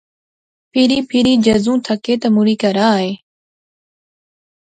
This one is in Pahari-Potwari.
پھری پھری جذوں تھکے تے مُڑی کہرا آئے